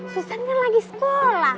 susan kan lagi sekolah